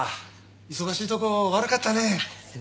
忙しいとこ悪かったね。